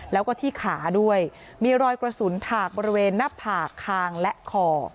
แล้วก็ที่ขาด้วยมีรอยกระสุนถากบริเวณหน้าผากคางและคอ